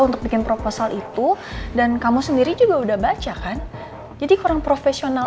untuk bikin proposal itu dan kamu sendiri juga udah baca kan jadi kurang profesional